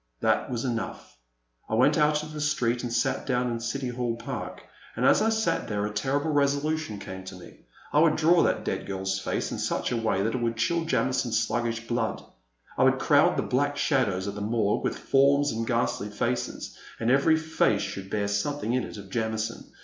That was enough. I went out into the street and sat down in City Hall Park. And, as I sat there, a terrible resolution came to me ; I would draw that dead girrs face in such a way that it would chill Jamison^s sluggish blood, I would crowd the black shadows of the Morgue with forms and ghastly faces, and every face should bear something in it of Jamison.